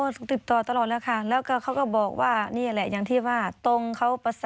สุขติดต่อตลอดแล้วค่ะแล้วเขาก็บอก